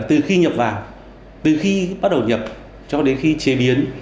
từ khi nhập vào từ khi bắt đầu nhập cho đến khi chế biến